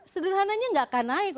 sederhananya enggak akan naik